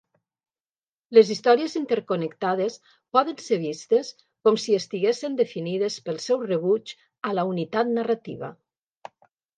Les històries interconnectades poden ser vistes com si estiguessin definides pel seu rebuig a la unitat narrativa.